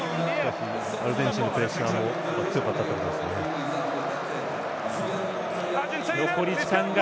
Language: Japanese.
アルゼンチンのプレッシャーも強かったと思いますが。